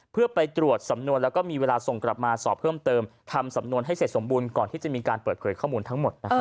เพื่อไปตรวจสำนวนแล้วก็มีเวลาส่งกลับมาสอบเพิ่มเติมทำสำนวนให้เสร็จสมบูรณ์ก่อนที่จะมีการเปิดเผยข้อมูลทั้งหมด